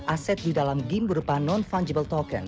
aset di dalam game berupa non fungible token atau nft